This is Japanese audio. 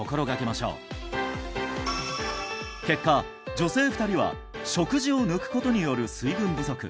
女性２人は食事を抜くことによる水分不足